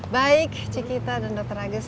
baik cikita dan dr agus